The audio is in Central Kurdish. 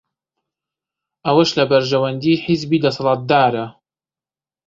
ئەوەش لە بەرژەوەندیی حیزبی دەسەڵاتدارە